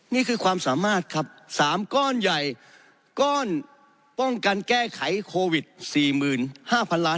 นี่คือความสามารถครับ๓ก้อนใหญ่ก้อนป้องกันแก้ไขโควิด๔๕๐๐๐ล้าน